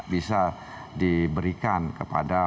bisa diberikan kepada